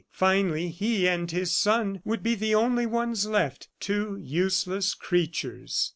Finally he and his son would be the only ones left two useless creatures.